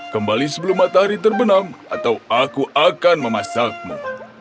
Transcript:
kembali sebelum matahari terbenam atau aku akan memasakmu